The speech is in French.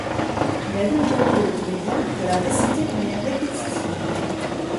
Il a donc demandé au comédien de la réciter de manière répétitive.